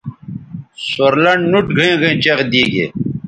سور لنڈ نُوٹ گھئیں گھئیں چیغ دیگے